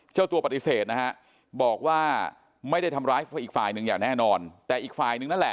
เจ้าตัวปฏิเสธนะฮะบอกว่าไม่ได้ทำร้ายอีกฝ่ายหนึ่งอย่างแน่นอนแต่อีกฝ่ายนึงนั่นแหละ